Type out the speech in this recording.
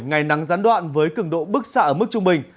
ngày nắng gián đoạn với cứng độ bức xạ ở mức trung bình